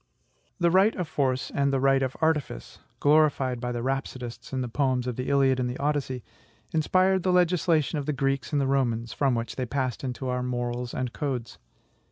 The right of force and the right of artifice glorified by the rhapsodists in the poems of the "Iliad" and the "Odyssey" inspired the legislation of the Greeks and Romans, from which they passed into our morals and codes.